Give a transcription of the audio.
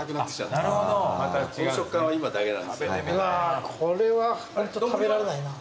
うわーこれは食べられないな。